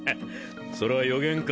それは予言か？